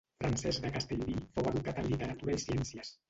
Francesc de Castellví fou educat en literatura i ciències.